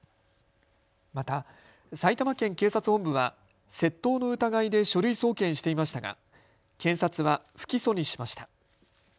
また、埼玉県警察本部は窃盗の疑いで書類送検していましたが検察は不起訴にしました。